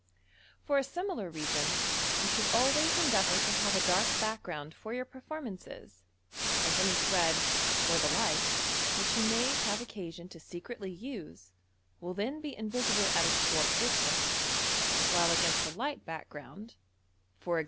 For a similar reason, you should a? way* endeavour to have a dark background for your performances, as any thread, or the like, which you m*v have occasion to secretly use will then be invisible at a short distance, while against a light background — e*g.